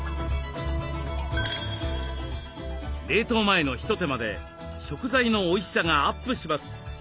冷凍前の一手間で食材のおいしさがアップします。